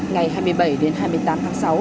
ngày hai mươi bảy đến hai mươi tám tháng sáu